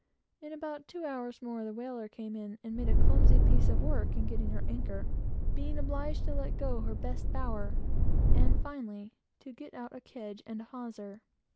In about two hours more, the whaler came in, and made a clumsy piece of work in getting her anchor, being obliged to let go her best bower, and finally, to get out a kedge and a hawser.